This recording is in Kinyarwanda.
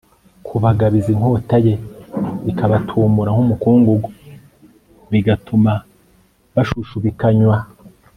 kubagabiza inkota ye ikabatumura nk umukungugu bigatumabashushubikanywa